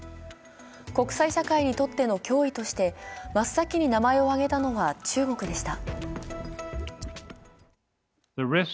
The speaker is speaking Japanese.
国際社会にとっての脅威として、真っ先に名前を挙げたのは中国でした。